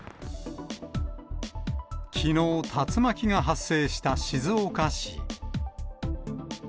きのう、竜巻が発生した静岡市。